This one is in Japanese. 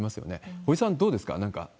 堀さん、どうですか？